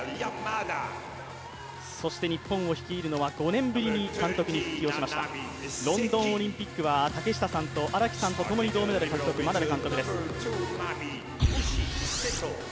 日本を率いるのは５年ぶりに復帰をしましたロンドンオリンピックは竹下さんと荒木さんと共に銅メダルの獲得、眞鍋監督です。